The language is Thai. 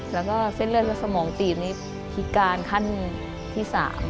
แล้วก็เส้นเลือดในสมองตีบนี้พิการขั้นที่๓